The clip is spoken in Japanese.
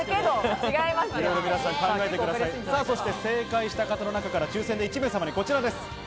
そして正解した方の中から抽選で１名様にこちらです。